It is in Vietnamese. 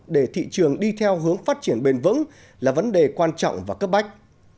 để thị trường đi theo hướng phát triển bền vững là vấn đề quan trọng và cấp bách